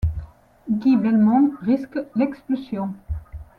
Guy Belmon risque l'expulsion.